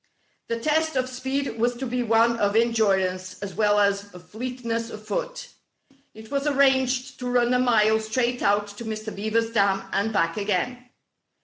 The test of speed was to be one of endurance as well as of fleetness of foot. It was arranged to run a mile straight out to Mr. Beaver's dam, and back again.